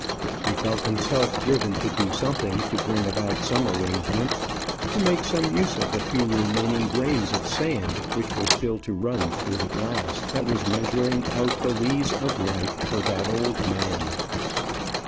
He felt himself driven to do something; to bring about some arrangement; to make some use of the few remaining grains of sand which were still to run through the glass that was measuring out the lees of life for that old man.